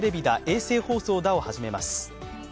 衛星放送だ！」を始めます。